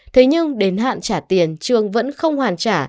thế nhưng đến hạn trả tiền trương vẫn không hoàn trả